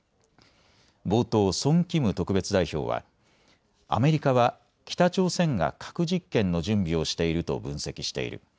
冒頭、ソン・キム特別代表はアメリカは北朝鮮が核実験の準備をしていると分析している。